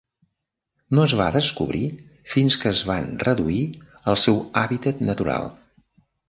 No es va descobrir fins que es van reduir el seu hàbitat natural.